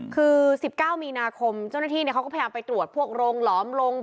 คือ๑๙มีนาคมเจ้าหน้าที่เขาก็พยายามไปตรวจพวกโรงหลอมลง